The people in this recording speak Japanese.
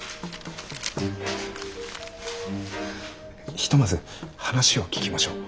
ひとまず話を聞きましょう。